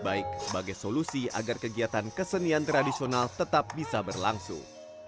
baik sebagai solusi agar kegiatan kesenian tradisional tetap bisa berlangsung